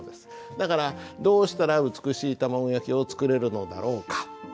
だから「どうしたら美しい卵焼きを作れるのだろうか？」。